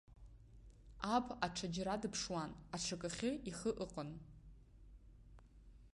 Аб аҽаџьара дыԥшуан, аҽакахьы ихы ыҟан.